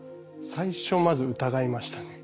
最初まず疑いましたね。